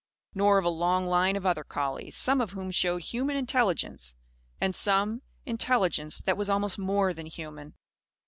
Nor of a long line of other collies, some of whom showed human intelligence; and some, intelligence that was almost more than human.